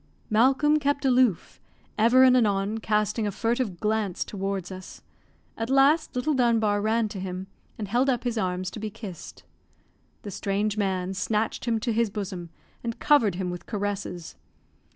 Malcolm kept aloof, ever and anon casting a furtive glance towards us; at last little Dunbar ran to him, and held up his arms to be kissed. The strange man snatched him to his bosom, and covered him with caresses.